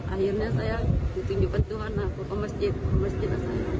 akhirnya saya ditunjukkan tuhan ke masjid